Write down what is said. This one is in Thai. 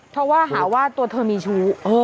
เพราะว่าหาว่าตัวเธอมีชู้